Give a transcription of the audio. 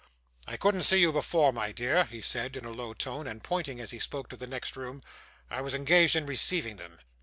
'I couldn't see you before, my dear,' he said, in a low tone, and pointing, as he spoke, to the next room. 'I was engaged in receiving them.